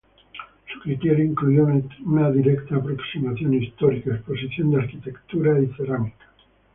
Su criterio incluyó una directa aproximación histórica, exposición de arquitectura y cerámica.